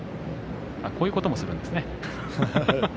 こういうこともするんですね。